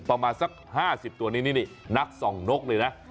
ประมาณสัก๕๐ตัวนี้นี่นักส่องนกเลยนะ